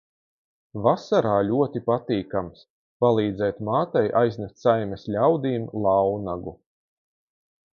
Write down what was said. Vasarā ļoti patīkams, palīdzēt mātei aiznest saimes ļaudīm launagu.